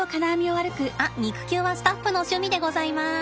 あっ肉球はスタッフの趣味でございます。